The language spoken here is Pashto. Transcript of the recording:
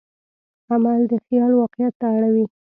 عمل د خیال واقعیت ته اړوي.